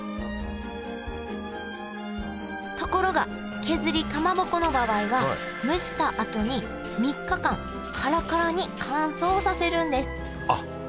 ところが削りかまぼこの場合は蒸したあとに３日間カラカラに乾燥させるんですあっ！